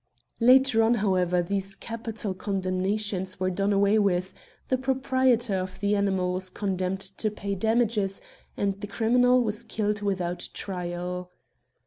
Later on, however, these capital condem nations were done away with, the proprietor of the animal was condemned to pay damages, and the criminal was killed without trial.